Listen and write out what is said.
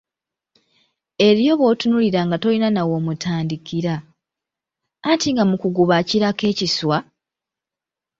Eriyo b'otunuulira nga tolina na w'omutandikira, anti nga mu kuguba akirako ekiswa!